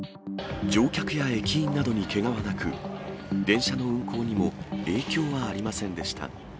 乗客や駅員などにけがはなく、電車の運行にも影響はありませんでした。